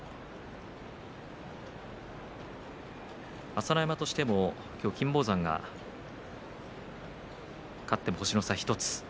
朝乃山としても今日金峰山が勝っても星の差１つ。